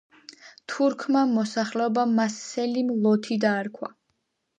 თურქმა მოსახლეობამ მას სელიმ „ლოთი“ დაარქვა.